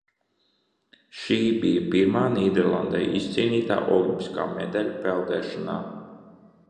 Šī bija pirmā Nīderlandei izcīnītā olimpiskā medaļa peldēšanā.